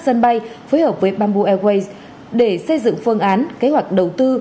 sân bay phối hợp với bamboo airways để xây dựng phương án kế hoạch đầu tư